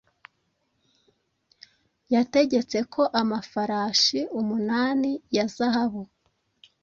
Yategetse ko amafarashi umunani ya zahabu